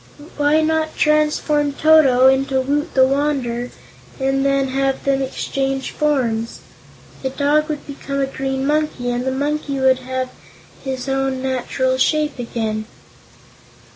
Why not transform Toto into Woot the Wanderer, and then have them exchange forms? The dog would become a green monkey and the monkey would have his own natural shape again."